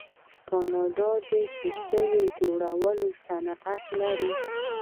کاناډا د کښتیو جوړولو صنعت لري.